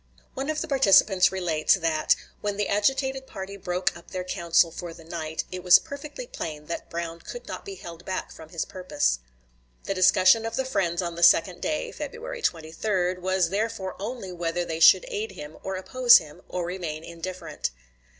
One of the participants relates, that "When the agitated party broke up their council for the night, it was perfectly plain that Brown could not be held back from his purpose." The discussion of the friends on the second day (February 23) was therefore only whether they should aid him, or oppose him, or remain indifferent.